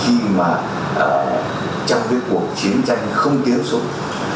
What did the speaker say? khi mà trong cái cuộc chiến tranh không tiến xuống